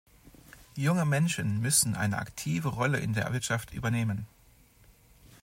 Junge Menschen müssen eine aktive Rolle in der Wirtschaft übernehmen.